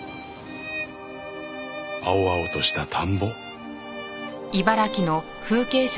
青々とした田んぼ。